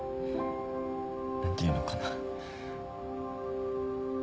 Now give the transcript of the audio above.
何ていうのかな。